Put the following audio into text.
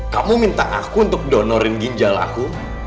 kamu minta aku untuk donorin ginjal aku